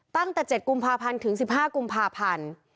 ตั้งแต่๗กุมภาพันธ์ถึง๑๕กุมภาพันธ์